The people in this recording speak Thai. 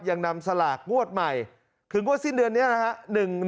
ยังนำสลากงวดใหม่คืองวดสิ้นเดือนนี้นะฮะ